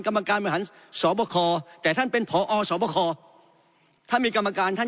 กรรมการสอบพธแต่ท่านเป็นหอสบครถ้ามีกรรมการท่าน